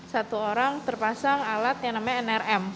satu orang terpasang alat yang namanya nrm